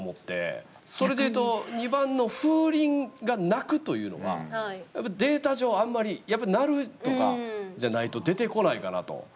それでいうと、２番の「風鈴が泣く」というのはデータ上あんまりやっぱ「鳴る」とかじゃないと出てこないかなと。